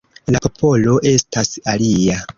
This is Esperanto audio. La popolo estas alia.